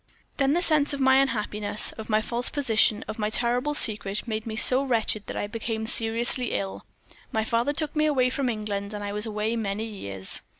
"Then the sense of my unhappiness, of my false position, of my terrible secret, made me so wretched that I became seriously ill. My father took me away from England, and I was away many years.